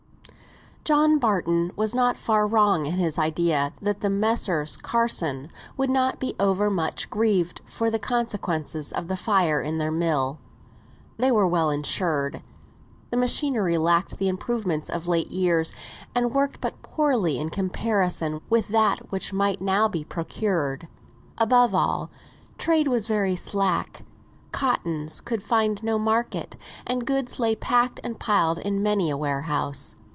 John Barton was not far wrong in his idea that the Messrs. Carson would not be over much grieved for the consequences of the fire in their mill. They were well insured; the machinery lacked the improvements of late years, and worked but poorly in comparison with that which might now be procured. Above all, trade was very slack; cottons could find no market, and goods lay packed and piled in many a warehouse.